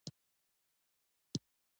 کوږ کلام خلک پاشل کوي